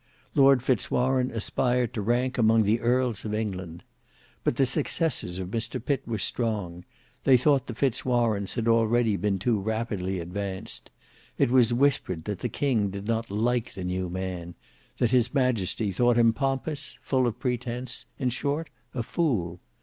Lord Fitz Warene aspired to rank among the earls of England. But the successors of Mr Pitt were strong; they thought the Fitz Warenes had already been too rapidly advanced; it was whispered that the king did not like the new man; that his majesty thought him pompous, full of pretence, in short, a fool.